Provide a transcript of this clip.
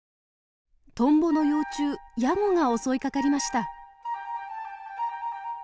トンボの幼虫ヤゴが襲いかかりました。